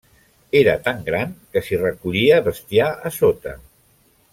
Era tan gran que s'hi recollia bestiar a sota.